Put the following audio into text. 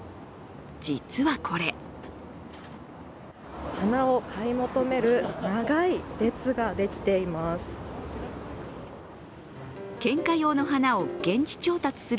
実はこれ花を買い求める長い列ができています。